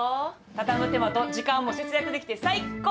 畳む手間と時間も節約できて最高。